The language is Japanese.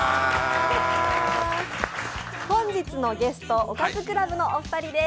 本日のゲスト、おかずクラブのお二人です。